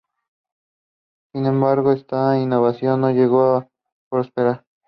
Sin embargo, esta innovación no llegó a prosperar.